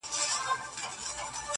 دا منم چي مي خپل ورڼه دي وژلي!.